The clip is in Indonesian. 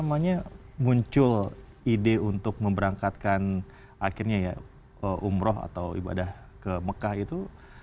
namanya muncul ide untuk memberangkatkan akhirnya ya umroh atau ibadah ke mekah itu